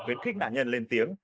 khuyến khích nạn nhân lên tiếng